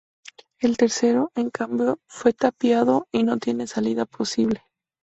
El tercero, en cambio, fue tapiado y no tiene salida posible.